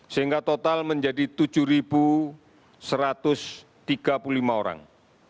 sehingga total menjadi tujuh satu ratus tiga puluh lima orang